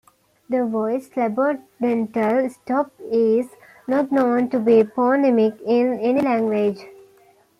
The voiced labiodental stop is not known to be phonemic in any language.